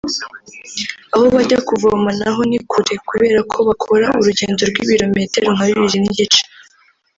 Aho bajya kuvoma naho ni kure kubera ko bakora urugendo rw’ibirometero nka bibiri n’igice